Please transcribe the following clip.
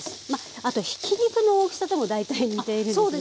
あとひき肉の大きさとも大体似ているんですね。